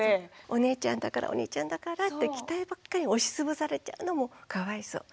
お姉ちゃんだからお兄ちゃんだからって期待ばっかり押し潰されちゃうのもかわいそう。